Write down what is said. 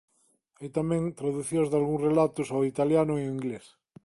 Hai tamén traducións dalgúns relatos ao italiano e ao inglés.